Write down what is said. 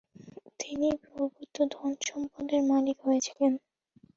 তিনি প্রভূত ধন-সম্পদের মালিক হয়েছিলেন।